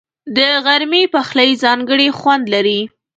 د غرمې پخلی ځانګړی خوند لري